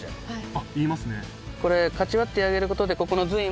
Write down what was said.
あっ言いますね。